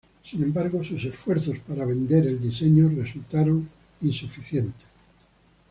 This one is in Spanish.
Sin embargo, sus esfuerzos para "vender" el diseño resultaron insuficientes.